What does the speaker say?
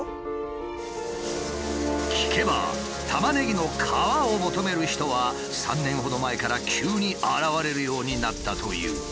聞けばタマネギの皮を求める人は３年ほど前から急に現れるようになったという。